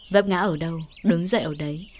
vấp ngã ở đâu đứng dậy ở đấy